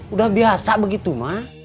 udah biasa begitu mah